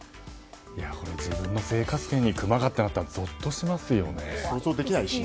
自分の生活圏にクマが来たらぞっとしますよね。